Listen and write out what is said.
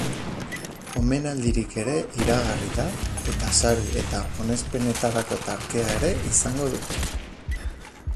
Omenaldirik ere iragarri da eta sari eta onespenetarako tartea ere izango dute.